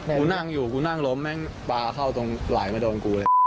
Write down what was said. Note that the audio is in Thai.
กูนั่งอยู่กูนั่งล้มแม่งปลาเข้าตรงไหลมาโดนกูเลย